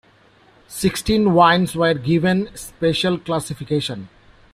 Sixteen wines were given special classification.